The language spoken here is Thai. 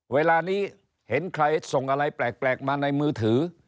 เวลานี้เห็นใครส่งอะไรแปลกมาในมือถือ